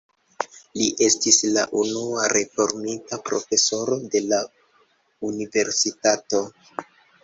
Li estis la unua reformita profesoro de la universitato.